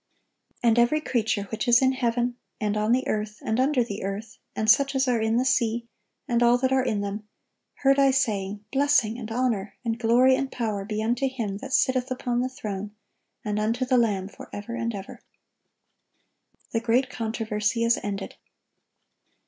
"And every creature which is in heaven, and on the earth, and under the earth, and such as are in the sea, and all that are in them, heard I saying, Blessing, and honor, and glory, and power, be unto Him that sitteth upon the throne, and unto the Lamb forever and ever."(1194) The great controversy is ended.